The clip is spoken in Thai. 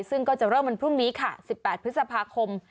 ซึ่งก็จะเริ่มวันพรุ่งนี้ค่ะ๑๘พฤษภาคม